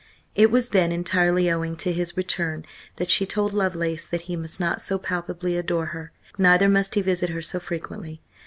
It was, then, entirely owing to his return that she told Lovelace that he must not so palpably adore her. Neither must he visit her so frequently.